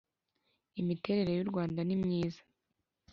imiterere y u Rwanda ni myiza